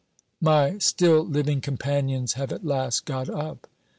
My still living companions have at last got up.